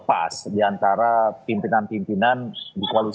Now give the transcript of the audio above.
kayaknya bbm ini putus uman untuk worms